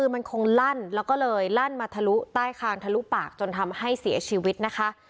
มันคงลั่นแล้วก็เลยลั่นมาทะลุใต้คางทะลุปากจนทำให้เสียชีวิตนะคะ